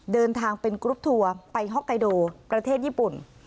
เดินทางเป็นกรุ๊ปทัวร์ไปฮอกไกโดประเทศญี่ปุ่น